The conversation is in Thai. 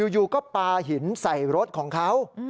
อยู่ก็ปลาหินใส่รถของเขา